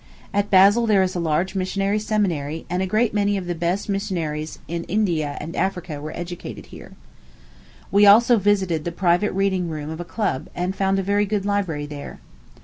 At Basle there is a large missionary seminary; and a great many of the best missionaries in India and Africa were educated here. We also visited the private reading room of a club, and found a very good library there.